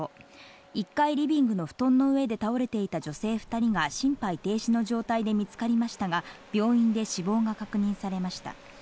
１階リビングの布団の上で倒れていた女性２人が心肺停止の状態で見つかりましたが、病院で死亡が確認されました。